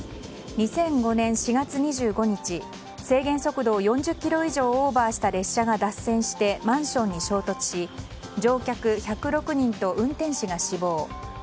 ２００５年４月２５日制限速度を４０キロ以上オーバーした列車が脱線してマンションに衝突して乗客１０６人と運転士が死亡。